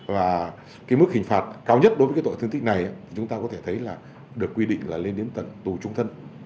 và cái mức hình phạt cao nhất đối với cái tội thương tích này chúng ta có thể thấy là được quy định là lên đến tận tù trung thân